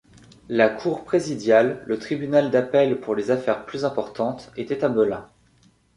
La Cour présidiale, le tribunal d’appel pour les affaires plus importantes, était à Melun.